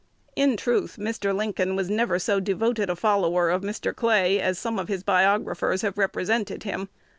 In truth, Mr. Lincoln was never so devoted a follower of Mr. Clay as some of his biographers have represented him.